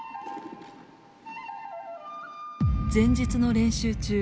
前日の練習中